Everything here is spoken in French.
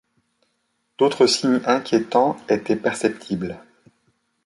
D'autres signes inquiétants étaient perceptibles.